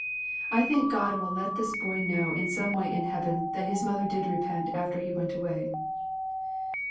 I think God will let this boy know in some way in heaven that his mother did repent after he went away.